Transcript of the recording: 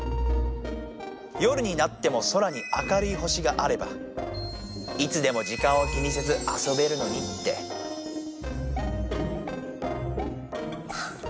夜になっても空に明るい星があればいつでも時間を気にせずあそべるのにってあっ！